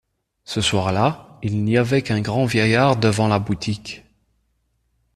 Ce soir-là, il n’y avait qu’un grand vieillard devant la boutique.